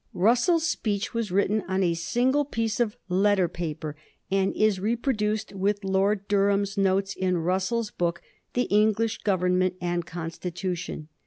Russell's speech was written on a single piece of letter paper, and is reproduced with Lord Durham's notes in Russell's book, "The English Government and Constitution."